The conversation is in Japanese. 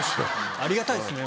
ありがたいです。